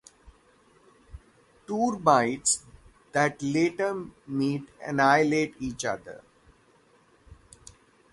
Turmites that later meet annihilate each other.